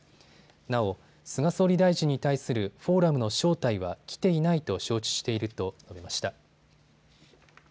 なお菅総理大臣に対するフォーラムの招待は来ていないと承知していると述べました。